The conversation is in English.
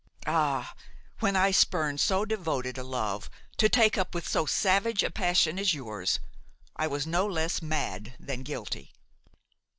Ah! when I spurned so devoted a love to take up with so savage a passion as yours, I was no less mad than guilty."